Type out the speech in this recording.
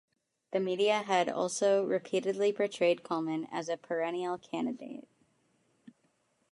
The media had also repeatedly portrayed Coleman as a "perennial candidate".